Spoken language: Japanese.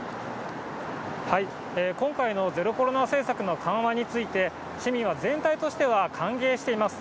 今回のゼロコロナ政策の緩和について、市民は全体としては歓迎しています。